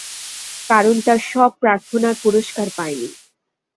কারণ তার সব প্রার্থনার পুরস্কার পায়নি।